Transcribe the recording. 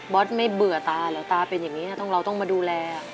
ไม่เบื่อตาเหรอตาเป็นอย่างนี้เราต้องมาดูแล